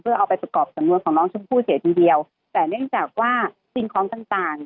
เอาไปประกอบสำนวนของน้องชมพู่เสียทีเดียวแต่เนื่องจากว่าสิ่งของต่างต่าง